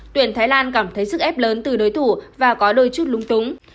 tuyển thái lan cảm thấy sức ép lớn từ đối thủ và có đôi chút lung túng